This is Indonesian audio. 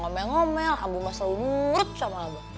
gak pernah ngomel ngomel abu masih lurut sama abang